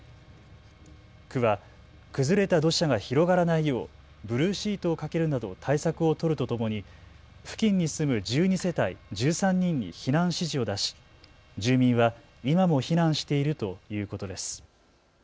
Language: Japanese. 区は崩れた土砂が広がらないようブルーシートを掛けるなど対策を取るとともに付近に住む１２世帯１３人に避難指示を出し、住民は今も避難しているということです。